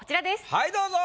はいどうぞ。